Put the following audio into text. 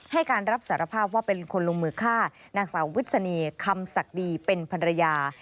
ให้การรับสารภาพว่าเป็นคนลงมือฆ่านางสาววิศนีคำศักดีเป็นภรรยา